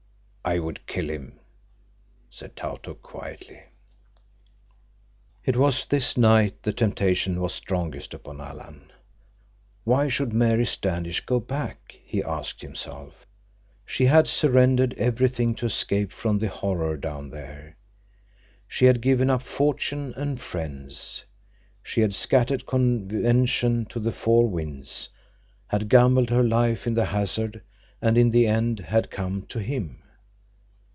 "I would kill him," said Tautuk quietly. It was this night the temptation was strongest upon Alan. Why should Mary Standish go back, he asked himself. She had surrendered everything to escape from the horror down there. She had given up fortune and friends. She had scattered convention to the four winds, had gambled her life in the hazard, and in the end had come to him!